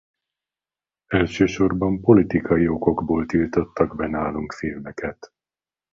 Elsősorban politikai okokból tiltottak be nálunk filmeket.